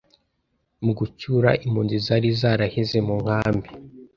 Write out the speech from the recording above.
mu gucyura impunzi zari zaraheze mu nkambi